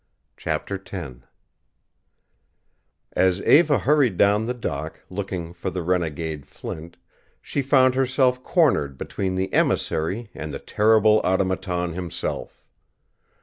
CHAPTER X As Eva hurried down the dock, looking for the renegade, Flint she found herself cornered between the emissary and the terrible Automaton himself.